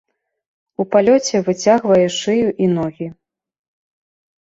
У палёце выцягвае шыю і ногі.